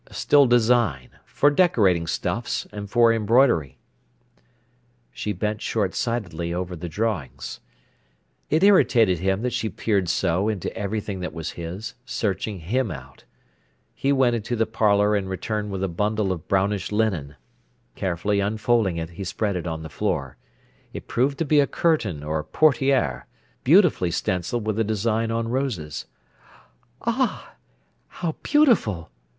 "Still design, for decorating stuffs, and for embroidery." She bent short sightedly over the drawings. It irritated him that she peered so into everything that was his, searching him out. He went into the parlour and returned with a bundle of brownish linen. Carefully unfolding it, he spread it on the floor. It proved to be a curtain or portière, beautifully stencilled with a design on roses. "Ah, how beautiful!"